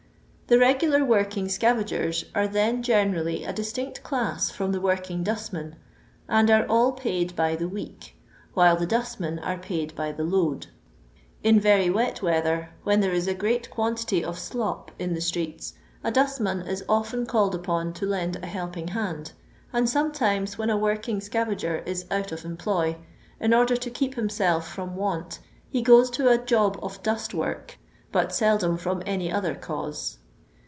The regular working scavagers are then gene rally a distinct class from the working dustmen, and are all paid by the week, while the dustmen are paid by the load. In very wet weather, when there is a great quantity of " slop " in the streets, a dustman is often called upon to lend a helping hand, and sometime when a working scavager is out of employ, in order to keep himself firam want, he goes to a "job of dust work," but sel dom from any other cause.